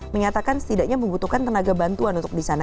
menyatakan setidaknya membutuhkan tenaga bantuan untuk di sana